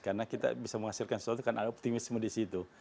karena kita bisa menghasilkan sesuatu karena ada optimisme di situ